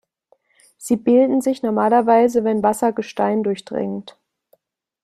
Sie bilden sich normalerweise, wenn Wasser Gestein durchdringt.